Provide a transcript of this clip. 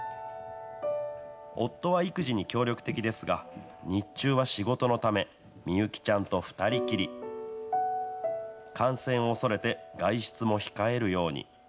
夫は育児に協力的ですが、日中は仕事のため、美幸ちゃんと２人きり。感染を恐れて外出も控えるように。